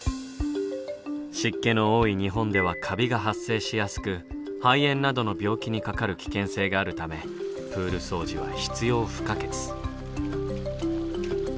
湿気の多い日本ではカビが発生しやすく肺炎などの病気にかかる危険性があるためプール掃除は必要不可欠。